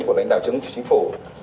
của lãnh đạo chứng chú chính phủ